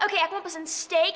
okay aku mau pesan steak